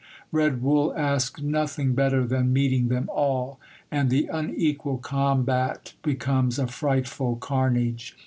Red Wull asks nothing better than meeting them all; and the unequal combat becomes a frightful carnage.